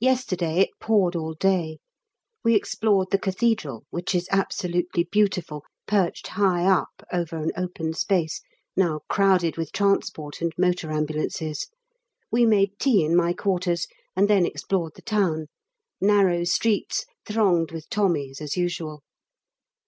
Yesterday it poured all day. We explored the Cathedral, which is absolutely beautiful, perched high up over an open space now crowded with transport and motor ambulances. We made tea in my quarters, and then explored the town; narrow streets thronged with Tommies as usual.